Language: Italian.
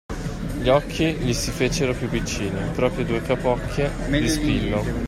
Gli occhi gli si fecero più piccini, proprio due capocchie di spillo.